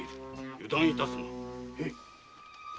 油断致すな。